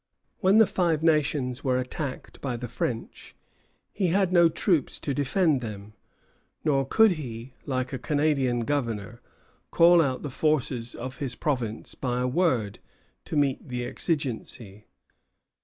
When the Five Nations were attacked by the French, he had no troops to defend them, nor could he, like a Canadian governor, call out the forces of his province by a word, to meet the exigency.